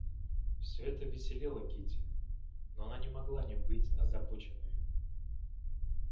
Всё это веселило Кити, но она не могла не быть озабоченною.